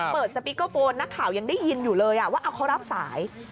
สปีกเกอร์โฟนนักข่าวยังได้ยินอยู่เลยว่าเอาเขารับสาย